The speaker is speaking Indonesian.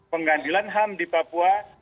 pengadilan ham di papua